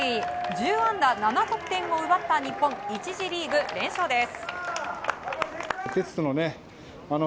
１０安打７得点を奪った日本１次リーグ連勝です。